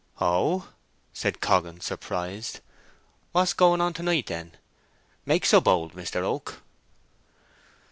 "Oh!" said Coggan, surprised; "what's going on to night then, make so bold Mr. Oak?"